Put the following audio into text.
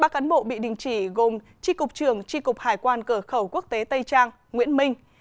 ba cán bộ bị đình chỉ gồm tri cục trường tri cục hải quan cửa khẩu quốc tế tây trang nguyễn minh